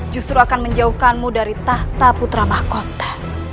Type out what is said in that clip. justru akan menjauhkanmu dari tahta putra mahkota